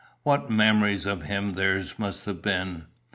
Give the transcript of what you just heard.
What memories of him theirs must have been!